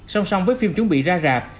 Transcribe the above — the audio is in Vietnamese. song song với phim chuẩn bị ra rạp